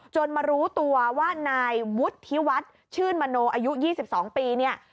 มารู้ตัวว่านายวุฒิวัฒน์ชื่นมโนอายุ๒๒ปีเนี่ย